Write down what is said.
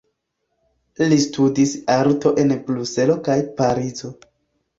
Li studis arto en Bruselo kaj Parizo.